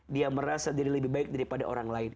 dia merasa diri lebih baik daripada orang lain